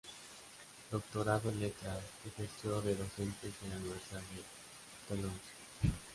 Doctorado en Letras, ejerció de docente en la Universidad de Toulouse.